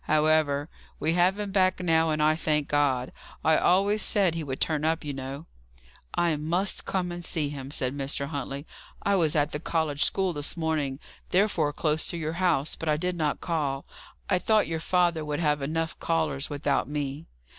"However, we have him back now, and I thank God. I always said he would turn up, you know." "I must come and see him," said Mr. Huntley. "I was at the college school this morning, therefore close to your house, but I did not call. I thought your father would have enough callers, without me."